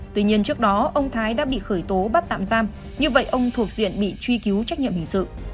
tuy nhiên trước đó ông thái đã bị khởi tố bắt tạm giam như vậy ông thuộc diện bị truy cứu trách nhiệm hình sự